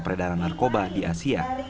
peredaran narkoba di asia